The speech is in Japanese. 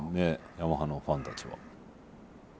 ヤマハのファンたちは。